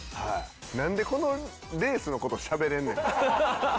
なんでこのレースの事しゃべれんねん。